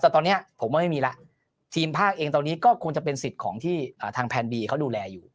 แต่ตอนนี้ผมว่าไม่มีแล้วทีมภาคเองตอนนี้ก็คงจะเป็นสิทธิ์ของที่ทางแพนบีเขาดูแลอยู่